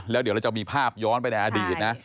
แล้วเดี๋ยวเราจะมีภาพย้อนไปในอดีตนะ